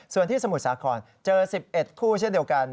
ส่วนที่สมุทรสาครเจอ๑๑คู่เช่นเดียวกัน